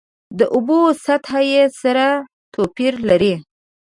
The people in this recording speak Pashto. د اوبو سطحه یې سره توپیر لري.